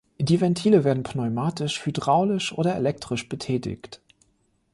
Die Ventile werden pneumatisch, hydraulisch oder elektrisch betätigt.